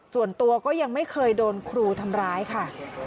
ส่วนตัวก็ยังไม่เคยโดนครูทำร้ายค่ะ